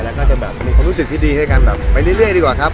แล้วก็จะแบบมีความรู้สึกที่ดีให้กันแบบไปเรื่อยดีกว่าครับ